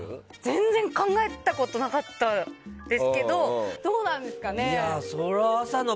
全然考えたことなかったですけどどうなんですかね。